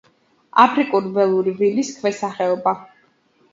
აფრიკული ველური ვირის ქვესახეობა.